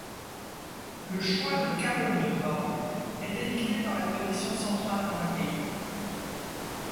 Le choix de Kalundborg était dicté par la position centrale dans le pays.